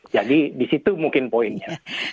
jadi di situ mungkin poinnya